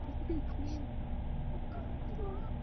阿尔让河畔罗科布吕讷。